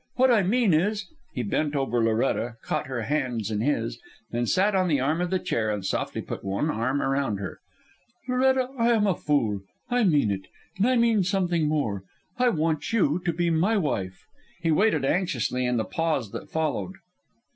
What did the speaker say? What I mean is " He bent over Loretta, caught her hands in his, then sat on the arm of the chair and softly put one arm around her. "Loretta, I am a fool. I mean it. And I mean something more. I want you to be my wife." He waited anxiously in the pause that followed.